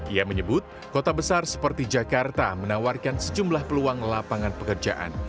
ia menyebut kota besar seperti jakarta menawarkan sejumlah peluang lapangan pekerjaan